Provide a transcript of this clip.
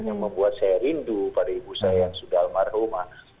yang membuat saya rindu pada ibu saya yang sudah almarhumah